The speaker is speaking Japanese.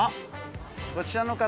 こちらの方。